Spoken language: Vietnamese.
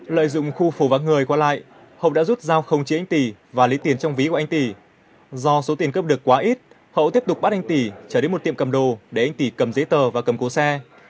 lợi dụng khu phố vắng người qua lại hậu đã rút dao không chế anh tỷ và lấy tiền trong ví của anh tỷ do số tiền cấp được quá ít hậu tiếp tục bắt anh tỷ trở đến một tiệm cầm đồ để anh tỷ cầm giấy tờ và cầm cố xe